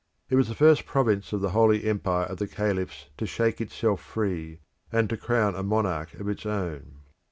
It was the first province of the Holy Empire of the Caliphs to shake itself free, and to crown a monarch of its own.